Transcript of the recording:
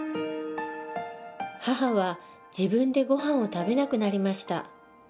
母は自分でごはんを食べなくなりました。